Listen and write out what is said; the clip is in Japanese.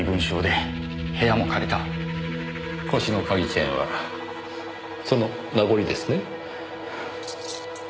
腰の鍵チェーンはその名残ですね？